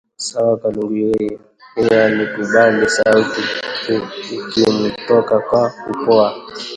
Sawa! Kalunguyeye yeye alikubali, sauti ikimtoka kwa kupoa